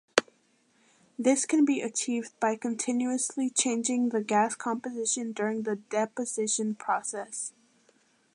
This can be achieved by continuously changing the gas composition during the deposition process.